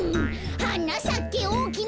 「はなさけおおきなガマ」